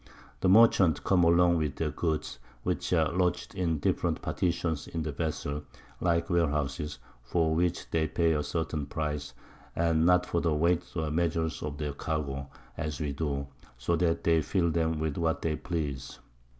The Merchants come along with their Goods, which are lodg'd in different Partitions in the Vessel, like Ware houses, for which they pay a certain Price, and not for the Weight or Measure of their Cargo, as we do; so that they fill them with what they please.